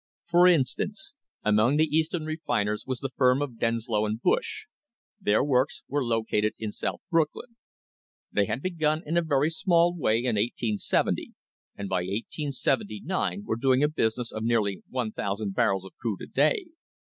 For instance, among the Eastern refiners was the firm of Denslow and Bush; their works were located in South Brooklyn. They had begun in a very small way in 1870, and by 1879 were doing a business of nearly 1,000 barrels of crude a day.